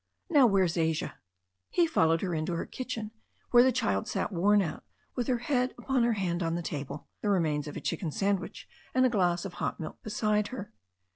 Now, Where's Asia?" He followed her into her kitchen, where the child sat worn out with her head upon her arm on the table, the remains of a chicken sandwich and a glass of hot milk be side her.